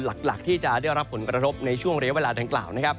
หลักที่จะได้รับผลกระทบในช่วงเรียกเวลาดังกล่าวนะครับ